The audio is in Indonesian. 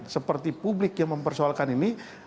seperti publik yang mempersoalkan ini